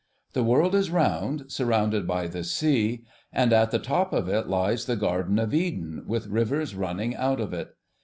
The world is round, surrounded by the sea, and at the top of it lies the garden of Eden, with rivers running out of it.